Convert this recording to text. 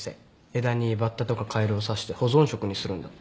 枝にバッタとかカエルを刺して保存食にするんだって。